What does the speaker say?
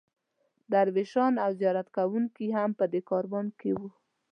درویشان او زیارت کوونکي هم په دې کاروان کې وو.